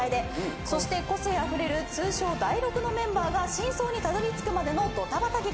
そして個性あふれる通称ダイロクのメンバーが真相にたどりつくまでのドタバタ劇。